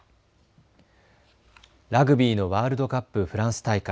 ラグビーのワールドカップフランス大会。